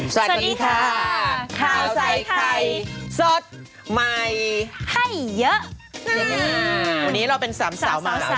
สวัสดีค่ะข้าวใส่ไข่สดใหม่ให้เยอะนี่วันนี้เราเป็นสามสาวมา